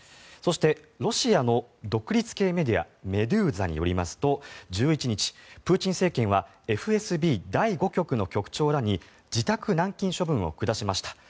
そして、ロシアの独立系メディアメデューザによりますと１１日、プーチン政権はＦＳＢ第５局の局長らに自宅軟禁処分を下しました。